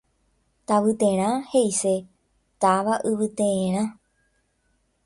Tavyterã heʼise “táva yvyteerã”.